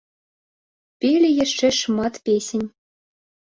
Пелі яшчэ шмат песень.